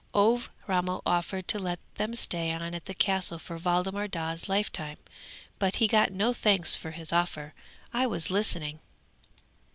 Ové Ramel offered to let them stay on at the Castle for Waldemar Daa's lifetime, but he got no thanks for his offer; I was listening.